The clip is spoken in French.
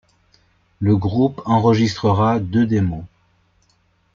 Le groupe enregistrera deux démos.